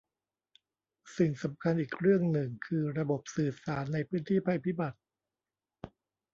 สิ่งสำคัญอีกเรื่องหนึ่งคือระบบสื่อสารในพื้นที่ภัยพิบัติ